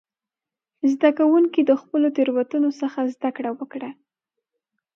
زده کوونکي د خپلو تېروتنو څخه زده کړه وکړه.